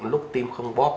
lúc tim không bóp